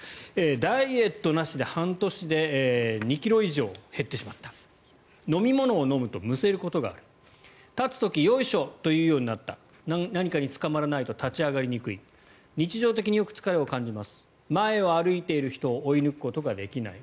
ダイエットなしで半年で２ｋｇ以上減ってしまった飲み物を飲むとむせることがある立つ時よいしょと言うようになった何かにつかまらないと立ち上がりにくい日常的によく疲れを感じます前を歩いている人を追い抜くことができない